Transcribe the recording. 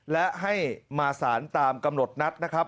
และให้มาสารตามกำหนดนัดนะครับ